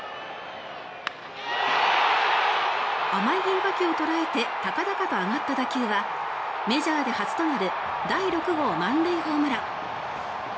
甘い変化球を捉えて高々と上がった打球はメジャーで初となる第６号満塁ホームラン。